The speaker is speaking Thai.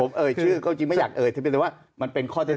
ผมเอ่ยชื่อก็จริงไม่อยากเอ่ยที่เป็นแต่ว่ามันเป็นข้อเท็จจริง